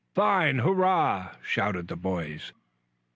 "Fine! Hurrah!" shouted the boys.